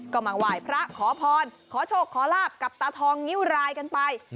ก็มาไหว้พระขอพรขอโชคขอลาบกับตาทองนิ้วรายกันไป